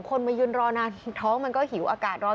มายืนรอนานท้องมันก็หิวอากาศร้อน